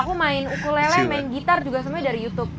aku main ukulele main gitar juga semuanya dari youtube